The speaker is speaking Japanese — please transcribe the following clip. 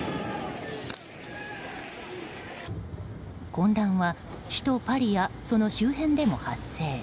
混乱は首都パリやその周辺でも発生。